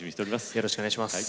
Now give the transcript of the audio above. よろしくお願いします。